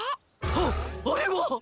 あっあれは！